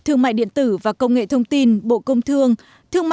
thương mại điện tử và công nghệ thông tin bộ công thương